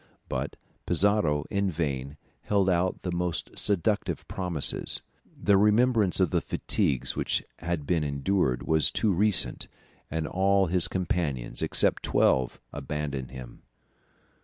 But Pizarro in vain held out the most seductive promises; the remembrance of the fatigues which had been endured was too recent, and all his companions except twelve abandoned him.